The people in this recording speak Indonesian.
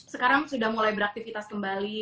sekarang sudah mulai beraktivitas kembali